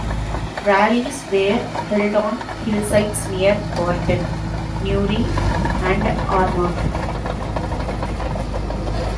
Rallies were held on hillsides near Gortin, Newry, and Armagh.